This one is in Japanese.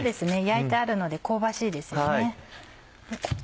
焼いてあるので香ばしいですよね。